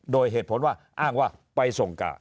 โดยเหตุผลว่าอ้างว่าไปส่งกะ